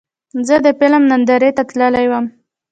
زه د فلم نندارې ته تللی وم.